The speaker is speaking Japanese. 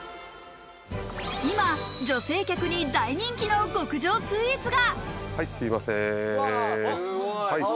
今、女性客に大人気の極上スイーツが。